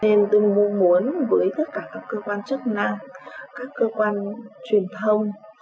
nên tôi mong muốn với tất cả các cơ quan chức năng các cơ quan truyền thông